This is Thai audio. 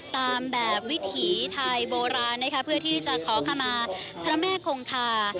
ตามแบบวิถีไทยโบราณนะคะเพื่อที่จะขอขมาพระแม่คงคา